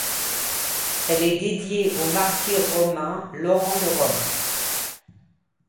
Elle est dédiée au martyr romain Laurent de Rome.